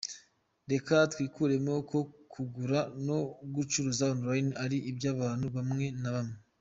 Reka twikuremo ko kugura no gucuruza online ari iby'abantu bamwe na bamwe.